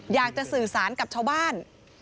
อยากจะสื่อสารกับชาวบ้าน